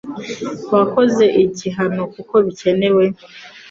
Wakoze iki hanokuko bikenewe